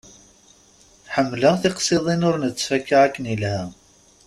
Ḥemmleɣ tiqsiḍin ur nettfaka akken ilha.